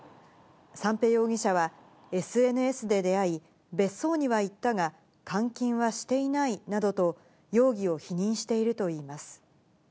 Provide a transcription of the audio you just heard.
三瓶容疑者は、ＳＮＳで出会い、別荘には行ったが、監禁はしていないなどと、容疑を否認しているといいます。